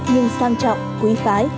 nhưng sang trọng quý phái